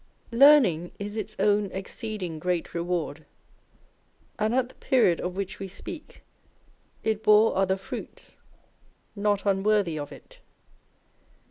Learning is its own exceeding great reward ; and at the period of which we speak, it bore other fruits, not unworthy of it.